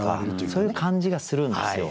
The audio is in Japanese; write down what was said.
そういう感じがするんですよ。